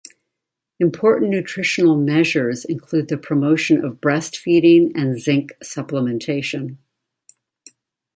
Important nutritional measures include the promotion of breastfeeding and zinc supplementation.